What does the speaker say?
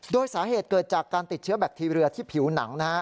โดยสาเหตุเกิดจากการติดเชื้อแบคทีเรียที่ผิวหนัง